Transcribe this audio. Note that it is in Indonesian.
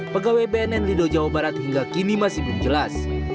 pegawai bnn lido jawa barat hingga kini masih belum jelas